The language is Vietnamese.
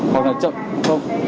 hoặc là chậm không